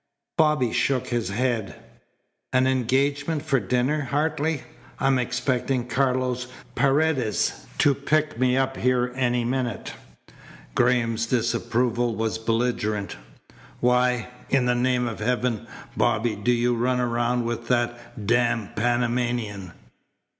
Bobby shook his head. "An engagement for dinner, Hartley. I'm expecting Carlos Paredes to pick me up here any minute." Graham's disapproval was belligerent. "Why, in the name of heaven, Bobby, do you run around with that damned Panamanian?